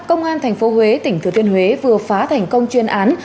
công an tp huế vừa phá thành công chuyên án